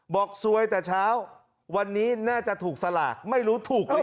ซวยแต่เช้าวันนี้น่าจะถูกสลากไม่รู้ถูกหรือไม่